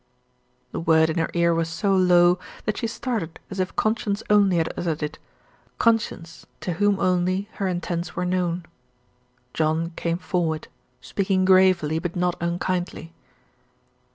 The word in her ear was so low, that she started as if conscience only had uttered it conscience, to whom only her intents were known. John came forward, speaking gravely, but not unkindly.